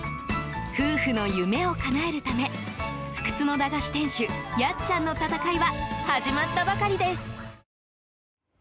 夫婦の夢をかなえるため不屈の駄菓子店主やっちゃんの戦いは始まったばかりです。